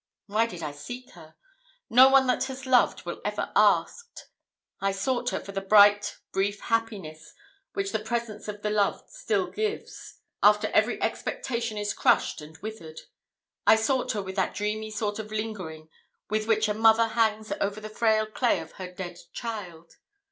Why did I seek her? No one that has loved will ever ask. I sought her for the bright brief happiness which the presence of the loved still gives, after every expectation is crushed and withered. I sought her with that dreamy sort of lingering with which a mother hangs over the frail clay of her dead child.